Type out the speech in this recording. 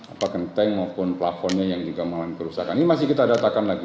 apa genteng maupun plafonnya yang juga mengalami kerusakan ini masih kita datakan lagi